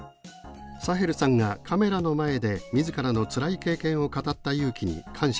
サヘルさんがカメラの前で自らのつらい経験を語った勇気に感謝したい。